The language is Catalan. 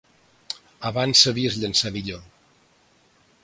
Abans sabies llançar millor.